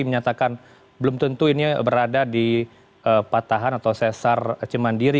menyatakan belum tentu ini berada di patahan atau sesar cimandiri